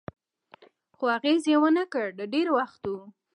خو اغېز یې و نه کړ، د ډېر وخت و.